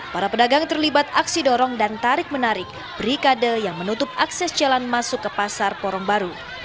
para pedagang terlibat aksi dorong dan tarik menarik berikade yang menutup akses jalan masuk ke pasar porong baru